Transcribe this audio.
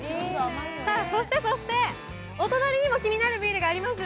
そしてそして、お隣にも気になるビールがあります。